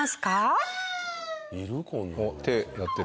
あっ手やってる。